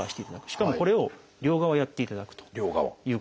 しかもこれを両側やっていただくということです。